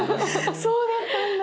そうだったんだ。